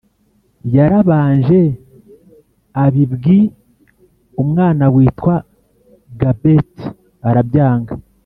Yarabanje abibwiumwanawitwa Gapeti arabyanga